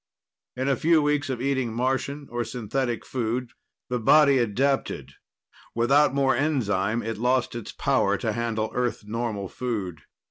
In a few weeks of eating Martian or synthetic food, the body adapted; without more enzyme, it lost its power to handle Earth normal food.